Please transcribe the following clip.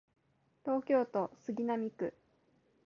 東京都杉並区